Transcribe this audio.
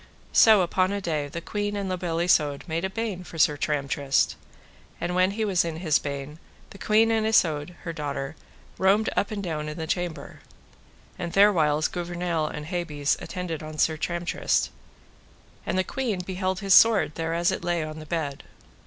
So upon a day the queen and La Beale Isoud made a bain for Sir Tramtrist. And when he was in his bain the queen and Isoud, her daughter, roamed up and down in the chamber; and therewhiles Gouvernail and Hebes attended upon Tramtrist, and the queen beheld his sword thereas it lay upon his bed.